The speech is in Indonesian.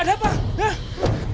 adam ada apa